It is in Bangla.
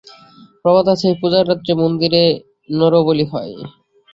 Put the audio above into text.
প্রবাদ আছে, এই পূজার রাত্রে মন্দিরে নরবলি হয়।